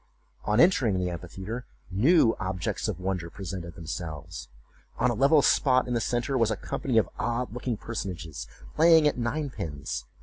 On entering the amphitheatre, new objects of wonder presented themselves. On a level spot in the centre was a company of odd looking personages playing at nine pins.